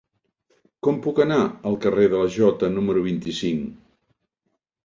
Com puc anar al carrer de la Jota número vint-i-cinc?